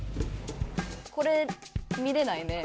これ見れないね。